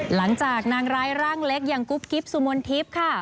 นางร้ายร่างเล็กอย่างกุ๊บกิ๊บสุมนทิพย์ค่ะ